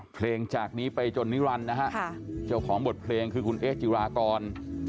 เพลงจากนี้ไปจนนิรันดิ์นะฮะเจ้าของบทเพลงคือคุณเอ๊จิรากร